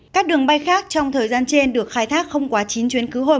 các đường bay khác trong thời gian trên được khai thác không quá chín chuyến cứu hồi